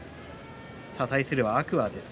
対するは天空海です。